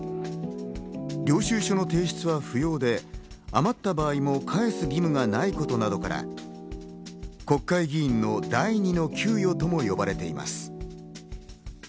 領収書の提出は不要で、余った場合も返す義務がないことなどから国会議員の第２の給与とも呼ばれています。